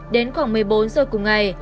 đến khoảng một mươi bốn giờ cuối ngày